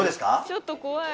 ちょっとこわい。